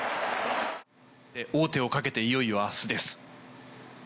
王手をかけていよいよ明日です。